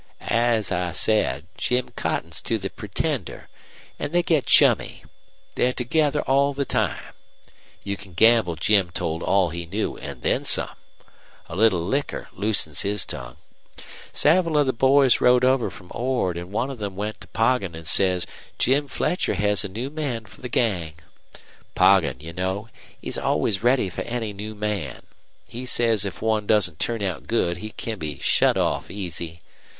"As I said, Jim cottons to the pretender, an' they get chummy. They're together all the time. You can gamble Jim told all he knew an' then some. A little liquor loosens his tongue. Several of the boys rode over from Ord, an' one of them went to Poggin an' says Jim Fletcher has a new man for the gang. Poggin, you know, is always ready for any new man. He says if one doesn't turn out good he can be shut off easy.